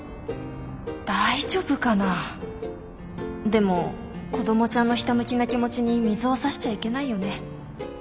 でも子どもちゃんのひたむきな気持ちに水を差しちゃいけないよね。